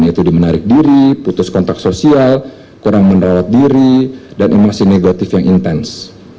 yaitu di menarik diri putus kontak sosial kurang menerawat diri dan emosi negatif yang intens